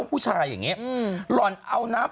ผู้ชายอย่างนี้หล่อนเอาน้ำ